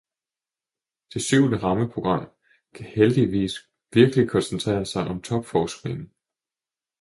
Det syvende rammeprogram kan heldigvis virkelig koncentrere sig om topforskningen.